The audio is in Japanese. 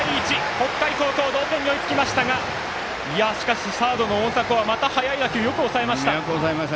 北海高校同点に追いつきましたがしかし、サードの大迫は速い打球よく押さえました。